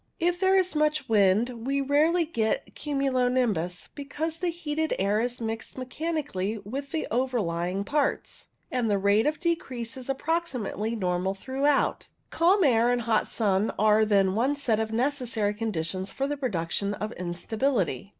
If there is much wind we rarely get cumulo nimbus, because the heated air is mixed mechanically with the overlying parts, and the rate of decrease is approximately normal throughout. Calm air and hot sun are then one set of necessary conditions for the production of instability.